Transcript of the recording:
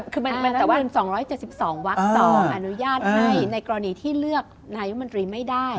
คือแต่ว่า๒๗๒วัก๒อนุญาตให้ในกรณีที่เลือกนายมนตรีไม่ได้